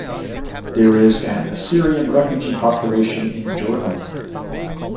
There is an Assyrian refugee population in Jordan.